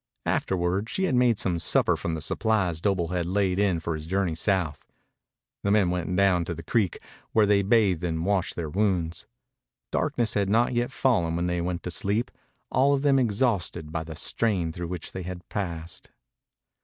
Afterward she made some supper from the supplies Doble had laid in for his journey south. The men went down to the creek, where they bathed and washed their wounds. Darkness had not yet fallen when they went to sleep, all of them exhausted by the strain through which they had passed.